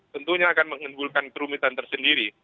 tentunya akan menimbulkan kerumitan tersendiri